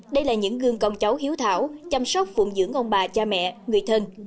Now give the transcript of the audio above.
đây là những gương con cháu hiếu thảo chăm sóc phụng dưỡng ông bà cha mẹ người thân